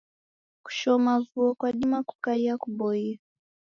Kushoma vuo kwadima kukaia kuboie.